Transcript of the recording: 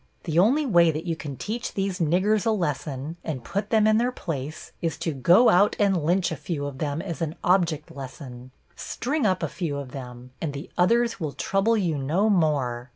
The only way that you can teach these Niggers a lesson and put them in their place is to go out and lynch a few of them as an object lesson. String up a few of them, and the others will trouble you no more.